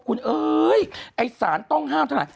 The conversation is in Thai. เฮ้ยไอ้สารต้องห้ามเท่านั้น